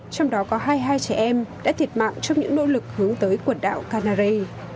trong đó có hai mươi hai trẻ em đã thiệt mạng trong những nỗ lực hướng tới quần đảo canary